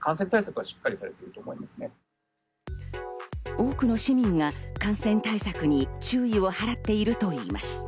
多くの市民が感染対策に注意を払っているといいます。